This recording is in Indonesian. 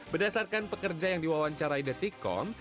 berdasarkan pekerja yang diwawancarai the tickom